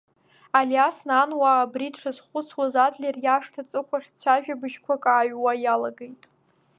Алиас Нануа абри дшазхәыцуаз Адлер иашҭа аҵыхәахь цәажәабыжьқәак ааҩуа иалагеит.